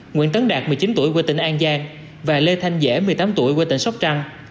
nguyễn tấn đạt một mươi chín tuổi quê tỉnh an giang và lê thanh dễ một mươi tám tuổi quê tỉnh sóc trăng